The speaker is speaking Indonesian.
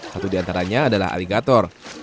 satu diantaranya adalah aligator